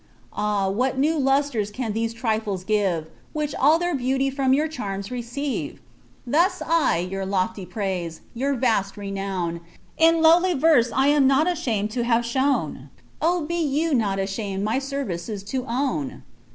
Ah I what new lustres can these trifles give, Whieh all their beauty from your charms reoeiret Tims I your lofty praise, your vast renown, In lowly Terse am not ashamed to have shown, Oh, be you not ashamed my services to own